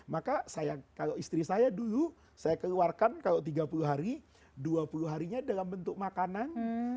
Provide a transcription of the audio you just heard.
maka kalau istri saya dulu saya keluarkan kalau tiga puluh hari dua puluh harinya dalam bentuk makanan